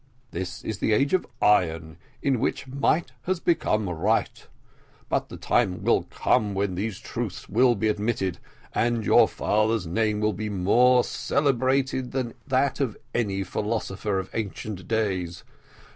This is the age of iron, in which might has become right but the time will come when these truths will be admitted, and your father's name will be more celebrated than that of any philosopher of ancient days.